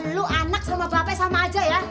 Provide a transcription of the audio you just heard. lu anak sama bapak sama aja ya